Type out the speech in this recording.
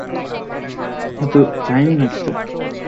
অন্য আকাশের ফিরিশতাগণের তো প্রশ্নই উঠে না।